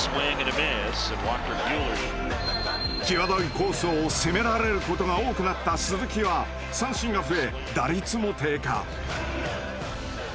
際どいコースを攻められることが多くなった鈴木は三振が増え打率も低下。